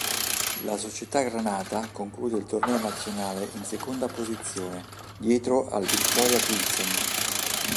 La società granata conclude il torneo nazionale in seconda posizione, dietro al Viktoria Pilsen.